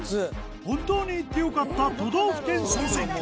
本当に行って良かった都道府県総選挙。